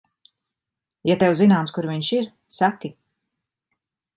Ja tev zināms, kur viņš ir, saki.